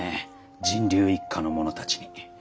神龍一家の者たちに。